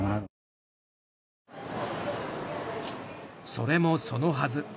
それもそのはず。